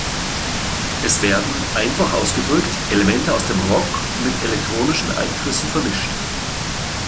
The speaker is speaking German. Es werden, einfach ausgedrückt, Elemente aus dem Rock mit elektronischen Einflüssen vermischt.